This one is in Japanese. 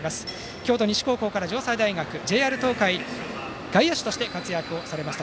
京都西高校から城西大学ＪＲ東海、外野手として活躍されました。